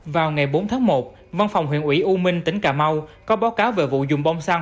vào ngày bốn tháng một văn phòng huyện ủy u minh tỉnh cà mau có báo cáo về vụ dùng bông xăng